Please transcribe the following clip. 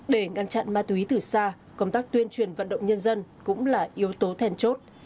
để ngăn chặn ma túy từ xa công tác tuyên truyền vận động nhân dân cũng là yếu tố thèn chốt